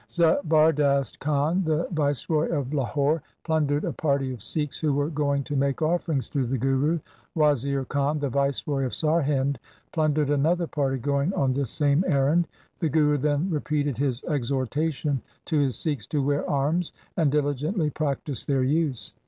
Zabardast Khan, the Viceroy of Lahore, plundered a party of Sikhs who were going to make offerings to the Guru. Wazir Khan, the viceroy of Sarhind, plundered another party going on the same errand. The Guru then repeated his exhortation to his Sikhs to wear arms and diligently practise their use.